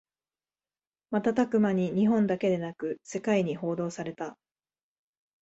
瞬く間に日本だけでなく世界に報道された